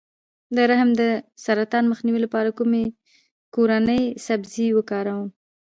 د رحم د سرطان مخنیوي لپاره د کومې کورنۍ سبزي وکاروم؟